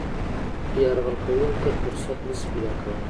یرغل کولو ته فرصت نه شي پیدا کولای.